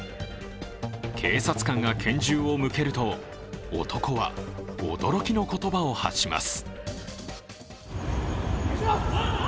警察官が拳銃を向けると男は驚きの言葉を発します。